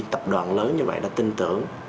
tập đoàn lớn như vậy đã tin tưởng